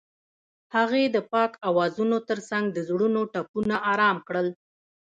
هغې د پاک اوازونو ترڅنګ د زړونو ټپونه آرام کړل.